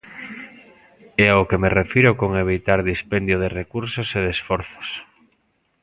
É ao que me refiro con evitar dispendio de recursos e de esforzos.